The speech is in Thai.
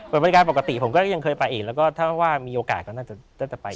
ผมก็ยังเคยไปอีกแล้วก็ถ้าว่ามีโอกาสก็น่าจะไปอีกแล้ว